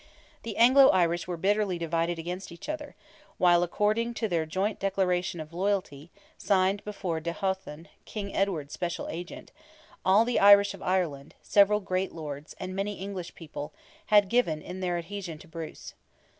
The Anglo Irish were bitterly divided against each other; while, according to their joint declaration of loyalty, signed before de Hothun, King Edward's special agent, "all the Irish of Ireland, several great lords, and many English people," had given in their adhesion to Bruce.